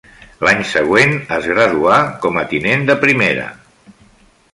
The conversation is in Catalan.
L'any següent es graduà com Tinent de Primera.